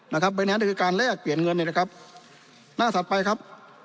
ใบแนนซ์ก็คือการแลกเปลี่ยนเงินเนี่ยนะครับหน้าถัดไปครับ